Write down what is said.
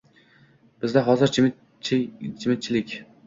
Bizda hozir jimjitlik